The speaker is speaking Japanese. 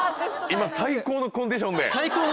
最高のコンディションで。